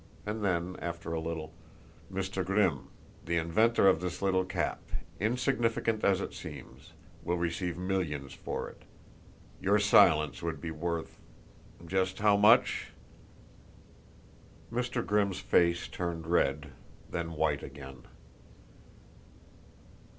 And then, after a little: "Mr. Grimm, the inventor of this little cap, insignificant as it seems, will receive millions for it. Your silence would be worth just how much?" Mr. Grimm's face turned red, then white again.